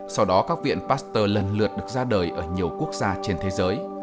sau đó các viện pasteur lần lượt được ra đời ở nhiều quốc gia trên thế giới